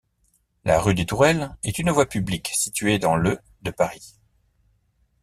La rue des Tourelles est une voie publique située dans le de Paris.